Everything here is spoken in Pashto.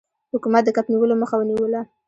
حکومت د کب نیولو مخه ونیوله.